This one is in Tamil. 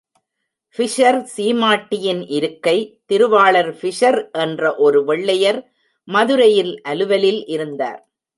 ஃபிஷர் சீமாட்டியின் இருக்கை திருவாளர் ஃபிஷர் என்ற ஒரு வெள்ளையர் மதுரையில் அலுவலில் இருந்தார்.